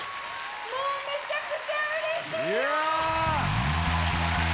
もうめちゃくちゃうれしいよ！